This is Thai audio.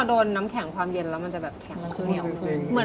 พอโดนน้ำแข็งความเย็นแล้วมันจะแบบแข็งขึ้นอยู่